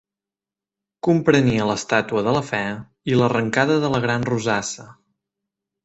Comprenia l'estàtua de la Fe i l'arrancada de la gran rosassa.